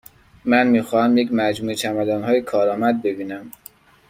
من می خواهم یک مجموعه چمدانهای کارآمد ببینم.